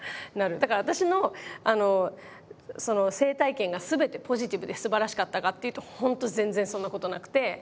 だから私の性体験が全てポジティブですばらしかったかっていうとほんと全然そんなことなくて。